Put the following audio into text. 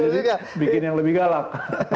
jadi bikin yang lebih galak